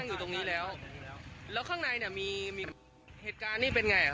ก็ไม่รู้เหมือนกันมีถ่ายละมันละไหม้อยู่